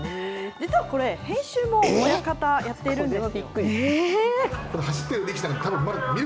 実はこれ、編集も親方、やっているんですよ。